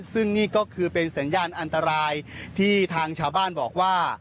ซึ่งนี่ก็คือเป็นสัญญาณอันตรายที่ทางชาวบ้านบอกว่า